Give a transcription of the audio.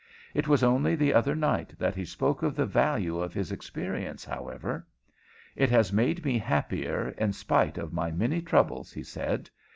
It was only the other night that he spoke of the value of his experience, however. "It has made me happier, in spite of my many troubles," he said.